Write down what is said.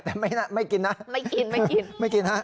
แต่ไม่กินนะไม่กินไม่กินนะ